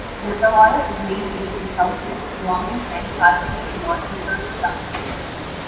The reservoir is mainly in southwest Wyoming and partially in northeastern Utah.